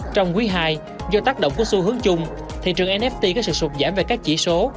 trong quý ii do tác động của xu hướng chung thị trường nft có sự sụt giảm về các chỉ số